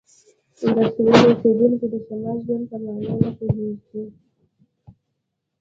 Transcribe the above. د سویل اوسیدونکي د شمالي ژوند په معنی نه پوهیږي